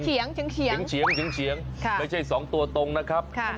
เฉียงเฉียงเฉียงเฉียงเฉียงเฉียงค่ะไม่ใช่สองตัวตรงนะครับค่ะ